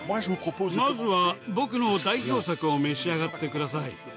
まずは僕の代表作を召し上がってください。